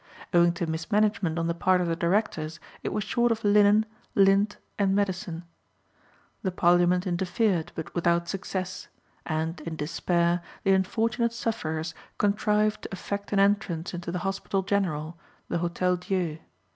Owing to mismanagement on the part of the directors, it was short of linen, lint, and medicine. The Parliament interfered, but without success; and, in despair, the unfortunate sufferers contrived to effect an entrance into the hospital general, the Hotel Dieu.